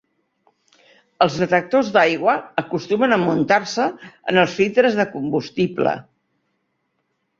Els detectors d’aigua acostumen a muntar-se en els filtres de combustible.